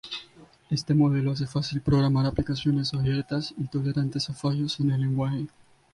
Este modelo hace fácil programar aplicaciones abiertas y tolerantes a fallos en el lenguaje.